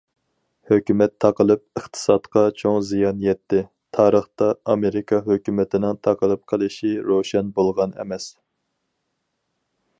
ھۆكۈمەت تاقىلىپ ئىقتىسادقا چوڭ زىيان يەتتى تارىختا، ئامېرىكا ھۆكۈمىتىنىڭ تاقىلىپ قېلىشى روشەن بولغان ئەمەس.